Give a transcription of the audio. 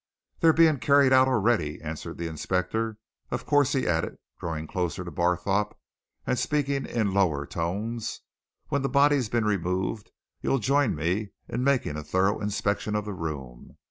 "They're being carried out already," answered the inspector. "Of course," he added, drawing closer to Barthorpe and speaking in lower tones, "when the body's been removed, you'll join me in making a thorough inspection of the room?